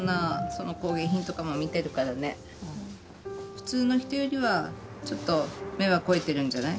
普通の人よりはちょっと目は肥えてるんじゃない？